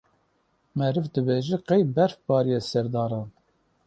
meriv dibêje qey berf bariye ser daran.